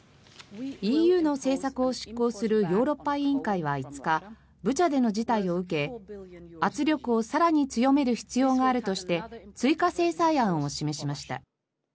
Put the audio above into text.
ＥＵの政策を執行するヨーロッパ委員会は５日ブチャでの事態を受け圧力を更に強める必要があるとして追加制裁案を示しました。